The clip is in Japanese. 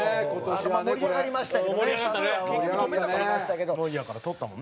盛り上がりましたけどね。